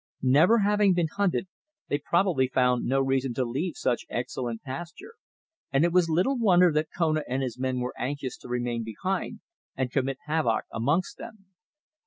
Never having been hunted, they probably found no reason to leave such excellent pasture, and it was little wonder that Kona and his men were anxious to remain behind and commit havoc amongst them.